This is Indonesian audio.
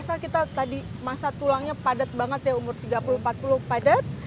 asal kita tadi masa tulangnya padat banget ya umur tiga puluh empat puluh padat